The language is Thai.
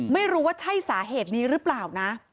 ไม่รู้ว่าใช่สาเหตุนี้หรือเปล่านะ